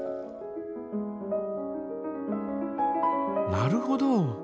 なるほど。